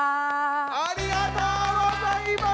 ありがとうございます！